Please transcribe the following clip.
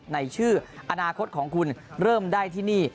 ในชื่ออนาคตของคุณเริ่มได้ที่นี่